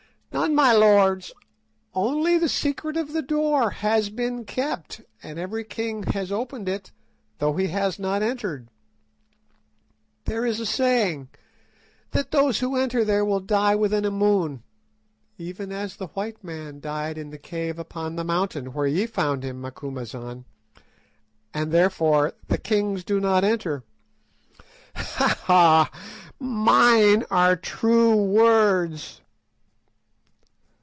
"None, my lords. Only the secret of the door has been kept, and every king has opened it, though he has not entered. There is a saying, that those who enter there will die within a moon, even as the white man died in the cave upon the mountain, where ye found him, Macumazahn, and therefore the kings do not enter. Ha! ha! mine are true words."